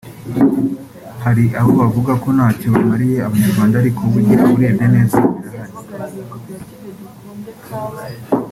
hari abo bavuga ko ntacyo bamariye Abanyarwanda ariko burya urebye neza birahari…”